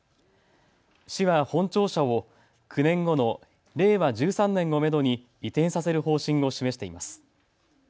市は本庁舎を９年後の令和１３年をめどに移転させる方針を示しています。